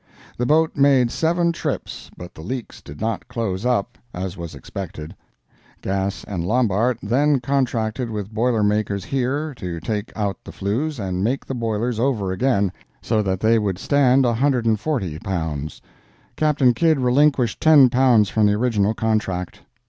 The boat made seven trips, but the leaks did not close up, as was expected. Gass & Lombard then contracted with boiler makers here to take out the flues and make the boilers over again, so that they would stand 140 pounds—Captain Kidd relinquishing 10 pounds from the original contract.